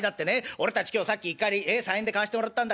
俺たち今日さっき一荷入り３円で買わしてもらったんだからさ